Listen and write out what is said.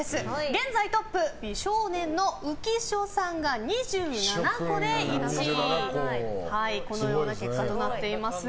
現在トップ美少年の浮所さんが２７個で１位となっています。